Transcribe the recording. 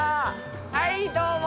はいどうも。